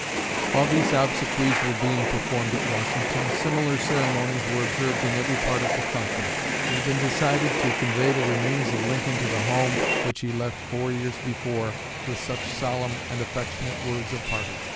While these obsequies were being performed at Washington, similar ceremonies were observed in every part of the country. It had been decided to convey the remains of Lincoln to the home which he left four years before with such solemn and affectionate words of parting.